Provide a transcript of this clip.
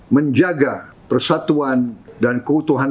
menjaga persatuan dan keutuhan